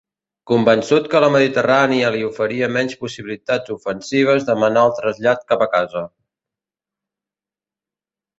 Convençut que la Mediterrània li oferia menys possibilitats ofensives demanà el trasllat cap a casa.